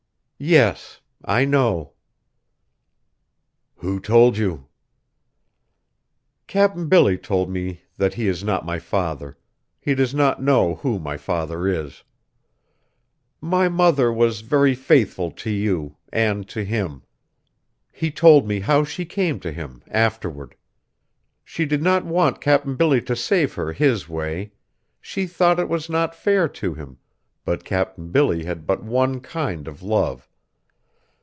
"Yes: I know." "Who told you?" "Cap'n Billy told me that he is not my father; he does not know who my father is. My mother was very faithful to you, and to him! He told me how she came to him afterward! She did not want Cap'n Billy to save her his way, she thought it was not fair to him, but Cap'n Billy had but one kind of love!